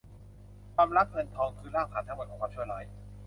ความรักเงินทองคือรากฐานทั้งหมดของความชั่วร้าย